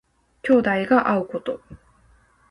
兄弟が会うこと。